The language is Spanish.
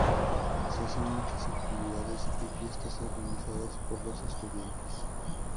Se hacen muchas actividades y fiestas organizadas por los estudiantes.